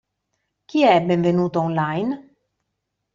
Chi è benvenuto online?